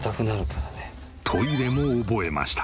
トイレも覚えました。